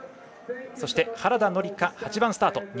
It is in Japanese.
そして原田紀香、８番スタート。